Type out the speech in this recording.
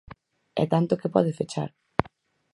E tanto que pode fechar.